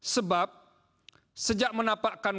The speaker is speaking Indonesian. sebab sejak menapakkan